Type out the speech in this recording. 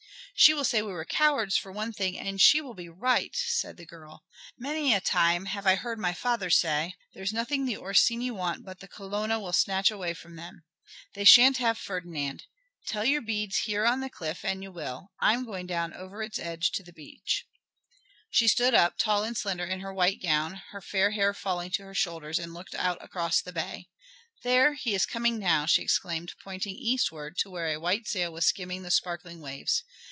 "She will say we were cowards for one thing, and she will be right," said the girl. "Many a time have I heard my father say, 'There's nothing the Orsini want but the Colonna will snatch away from them.' They shan't have Ferdinand. Tell your beads here on the cliff an you will; I'm going down over its edge to the beach." She stood up, tall and slender in her white gown, her fair hair falling to her shoulders, and looked out across the bay. "There, he is coming now," she exclaimed, pointing eastward to where a white sail was skimming the sparkling waves.